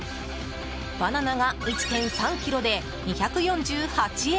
バナナが１．３ｋｇで２４８円。